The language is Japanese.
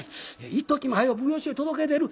いっときも早う奉行所へ届け出る。